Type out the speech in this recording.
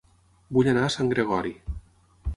Vull anar a Sant Gregori